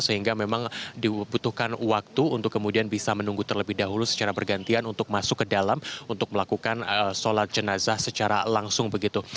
sehingga memang dibutuhkan waktu untuk kemudian bisa menunggu terlebih dahulu secara bergantian untuk masuk ke dalam untuk melakukan sholat jenazah secara langsung begitu